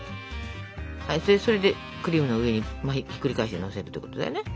それでクリームの上にひっくり返してのせるってことだよね。